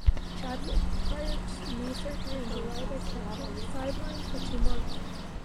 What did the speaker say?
Chadwick required knee surgery in July that kept him sidelined for two months.